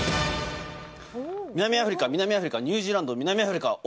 南アフリカ、南アフリカ、ニュージーランド、南アフリカ。